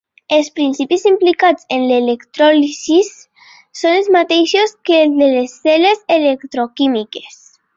Els principis implicats en l'electròlisi són els mateixos que els de les cel·les electroquímiques.